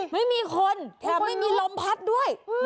ไม่มีคนแถมแบบนี้รองพัดด้วย